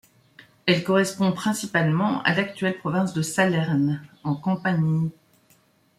Elle correspond principalement à l'actuelle province de Salerne, en Campanie.